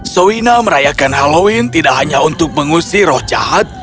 soina merayakan halloween tidak hanya untuk mengusi roh jahat